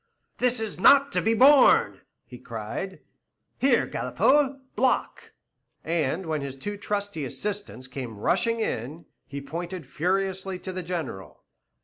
"This is not to be borne!" he cried. "Here, Galipaud, Block;" and when his two trusty assistants came rushing in, he pointed furiously to the General.